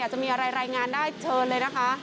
จะมีอะไรรายงานได้เชิญเลยนะคะ